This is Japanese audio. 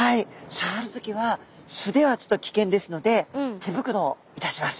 さわる時は素手はちょっと危険ですので手袋をいたします。